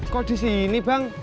kok di sini bang